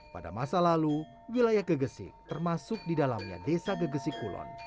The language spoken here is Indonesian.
pada masa lalu wilayah gegesik termasuk di dalamnya desa gegesik kulon